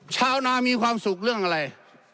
ชาวนามีความสุขเรื่องอะไร